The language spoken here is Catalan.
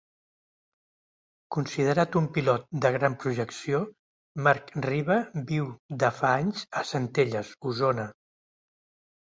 Considerat un pilot de gran projecció, Marc Riba viu de fa anys a Centelles, Osona.